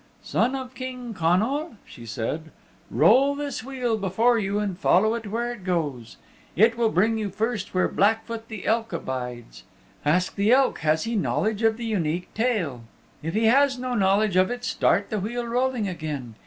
"Son of King Connal," she said, "roll this wheel before you and follow it where it goes. It will bring you first where Blackfoot the Elk abides. Ask the Elk has he knowledge of the Unique Tale. If he has no knowledge of it start the wheel rolling again.